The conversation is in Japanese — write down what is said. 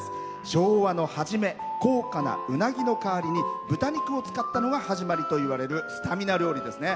昭和の初め高価なうなぎの代わりに豚肉を使ったのが始まりといわれるスタミナ料理ですね。